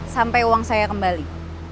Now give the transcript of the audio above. sampai uang saya kembali